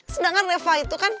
sedangkan reva itu kan